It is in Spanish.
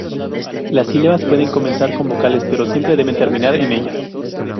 Las sílabas pueden comenzar con vocales, pero siempre deben terminar en ellas.